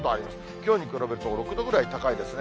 きょうに比べると、６度ぐらい高いですね。